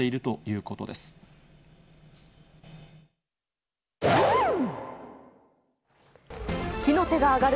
うん。